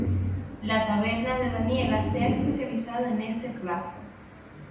La Taberna de Daniela se ha especializado en este plato.